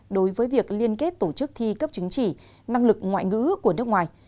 đối với việc liên kết tổ chức thi cấp chứng chỉ năng lực ngoại ngữ của nước ngoài